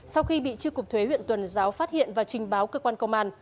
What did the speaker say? sau khi bị tri cục thuế huyện tuần giáo phát hiện và trình báo cơ quan công an